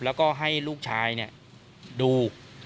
แล้วก็ให้ลูกชายเนี่ยดู